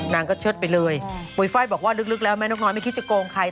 นางก็เชิดไปเลยปุ๋ยไฟล์บอกว่าลึกแล้วแม่นกน้อยไม่คิดจะโกงใคร